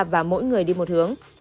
và mỗi người đi một hướng